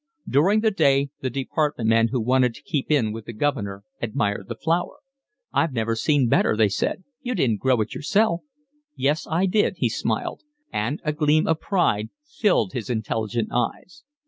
During the day the department men who wanted to keep in with the governor admired the flower. "I've never seen better," they said, "you didn't grow it yourself?" "Yes I did," he smiled, and a gleam of pride filled his intelligent eyes.